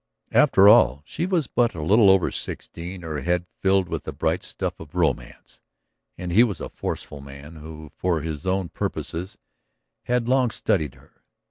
After all, she was but a little over sixteen, her head filled with the bright stuff of romance, and he was a forceful man who for his own purposes had long studied her.